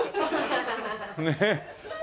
ねえ。